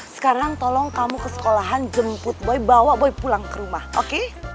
sekarang tolong kamu ke sekolahan jemput boy bawa boy pulang ke rumah oke